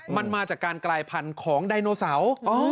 มันมาจากการกลายพันธุ์ของไดโนเสาร์